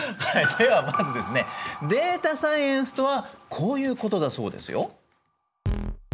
はいではまずですねデータサイエンスとはこういうことだそうですよ。